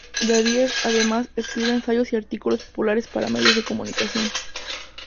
Davies además escribe ensayos y artículos populares para medios de comunicación.